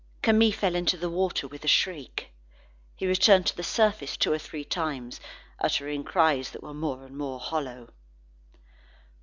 Camille fell into the water with a shriek. He returned to the surface two or three times, uttering cries that were more and more hollow.